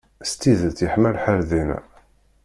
S tidet yeḥma lḥal dinna.